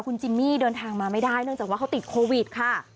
คุณจิมมี่เดินทางมาไม่ได้เนื่องจากว่าเขาติดโควิดค่ะ